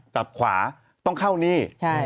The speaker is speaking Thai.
ตัดขวาต้นเข้านี่